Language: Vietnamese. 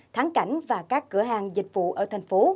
tháng cảnh và các cửa hàng dịch vụ ở thành phố